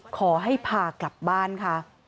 ขอให้พากลับบ้านค่ะ